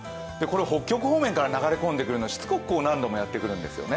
北極方面から流れ込んでくるのでしつこく何度もやってくるんですよね。